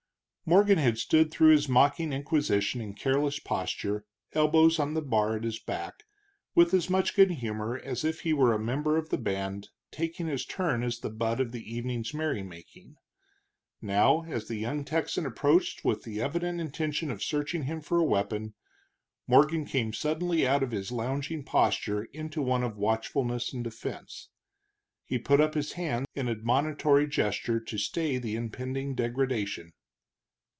Morgan had stood through this mocking inquisition in careless posture, elbows on the bar at his back, with as much good humor as if he were a member of the band taking his turn as the butt of the evening's merrymaking. Now, as the young Texan approached with the evident intention of searching him for a weapon, Morgan came suddenly out of his lounging posture into one of watchfulness and defense. He put up his hand in admonitory gesture to stay the impending degradation.